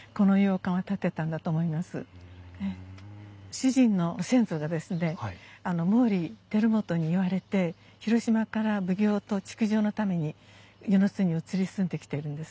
主人の先祖がですね毛利輝元に言われて広島から奉行と築城のために温泉津に移り住んできてるんです。